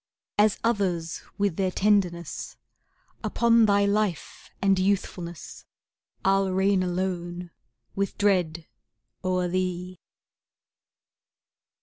As others with their tenderness, Upon thy life and youthfulness, I'll reign alone with dread o'er thee.